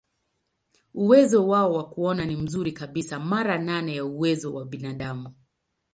Uwezo wao wa kuona ni mzuri kabisa, mara nane ya uwezo wa binadamu.